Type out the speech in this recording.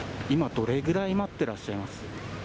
今、どれぐらい待ってらっしゃいます？